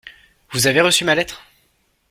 Vous avez reçu ma lettre ?